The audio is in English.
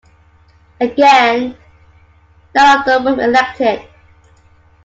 Again, none of them were elected.